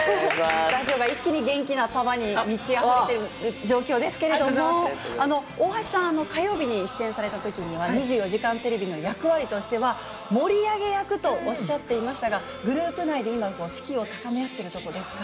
スタジオが一気に元気なパワーに満ちあふれてる状況ですけれども、大橋さん、火曜日に出演されたときには、２４時間テレビの役割としては、盛り上げ役とおっしゃっていましたが、グループ内で今、士気を高め合っているところですか？